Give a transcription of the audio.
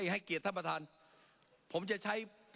ให้เกียรติท่านประทาน